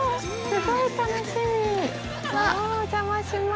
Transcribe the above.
すごい楽しみ。